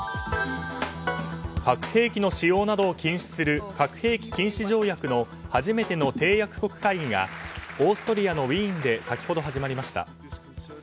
核兵器の使用などを禁止する核兵器禁止条約の初めての締約国会議がオーストリアのウィーンで先ほど始まりました。